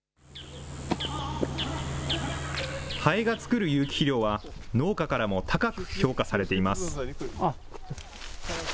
ハエが作る有機肥料は、農家からも高く評価されています。